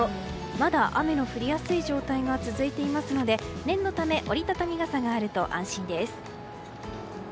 まだ雨の降りやすい状態が続いていますので、念のため折り畳み傘があると安心です。